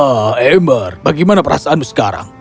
ah ember bagaimana perasaanmu sekarang